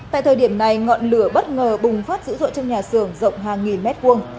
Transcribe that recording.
tại thời điểm này ngọn lửa bất ngờ bùng phát dữ dội trong nhà xưởng rộng hàng nghìn mét vuông